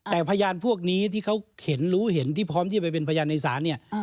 แต่พยานพวกนี้ที่เขาเห็นรู้เห็นที่พร้อมที่จะไปเป็นพยานในศาลเนี่ย